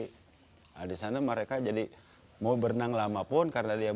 nah di sana mereka jadi mau berenang lamapun kan mereka akan naik